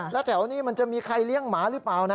แล้วแถวนี้มันจะมีใครเลี้ยงหมาหรือเปล่านะ